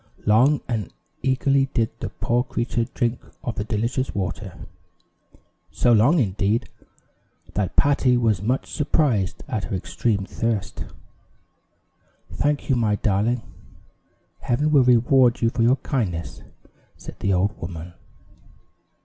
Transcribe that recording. Long and eagerly did the poor creature drink of the delicious water; so long, indeed, that Patty was much surprised at her extreme thirst. "Thank you, my darling. Heaven will reward you for your kindness," said the old woman.